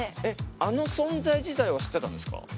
あの存在自体は知ってたんですか？